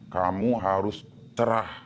kamu harus terah